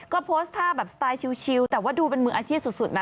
ก็โพสต์ท่าแบบสไตล์ชิลแต่ว่าดูเป็นมืออาชีพสุดนะ